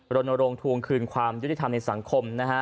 โรนโรงทวงคืนความยุติธรรมในสังคม